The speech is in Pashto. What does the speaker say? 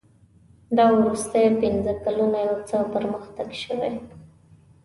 دا وروستي پنځه کلونه یو څه پرمختګ شوی.